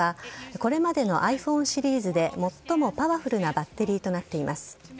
これまでのｉＰｈｏｎｅシリーズで、最もパワフルなバッテリーとなっています。